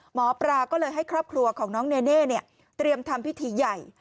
หมอปลาก็เลยให้ครอบครัวของน้องเนเน่เตรียมทำพิธีใหญ่